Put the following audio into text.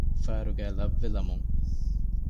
ފާރުގައި ލައްވެލަމުން